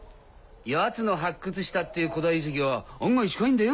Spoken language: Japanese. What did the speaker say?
奴の発掘したっていう古代遺跡は案外近いんだよ